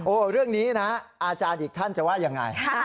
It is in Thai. เรื่องนี้นะอาจารย์อีกท่านจะว่ายังไง